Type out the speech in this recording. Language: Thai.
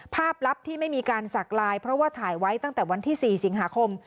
ลับที่ไม่มีการสักลายเพราะว่าถ่ายไว้ตั้งแต่วันที่๔สิงหาคม